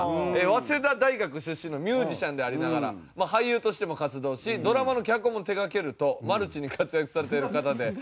早稲田大学出身のミュージシャンでありながら俳優としても活動しドラマの脚本も手掛けるとマルチに活躍されてる方で。